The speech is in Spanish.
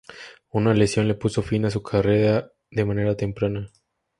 Una lesión le puso fin a su carrera de manera temprana.